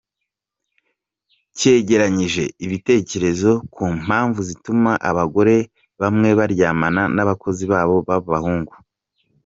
rw cyegeranyije ibitekerezo ku mpamvu zituma abagore bamwe baryamana n’abakozi babo b’abahungu.